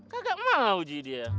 gak mau ji dia